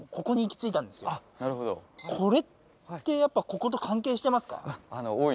なるほどこれってやっぱここと関係してますか？